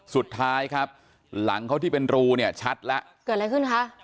สุดท้ายครับหลังเขาที่เป็นรูเนี่ยชัดแล้วเกิดอะไรขึ้นคะ